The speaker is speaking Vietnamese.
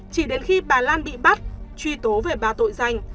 chỉ đến khi bà lan bị bắt truy tố về ba tội danh